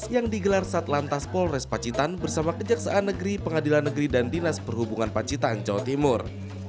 yang digelar saat lantas polres pacitan bersama kejaksaan negeri pengadilan negeri dan dinas perhubungan pacitan jawa timur